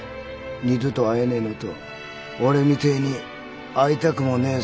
二度と会えねえのと俺みてえに会いたくもねえ